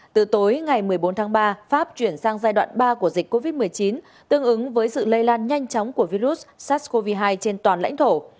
từ tối ngày một mươi bốn tháng ba pháp chuyển sang giai đoạn ba của dịch covid một mươi chín tương ứng với sự lây lan nhanh chóng của virus sars cov hai trên toàn lãnh thổ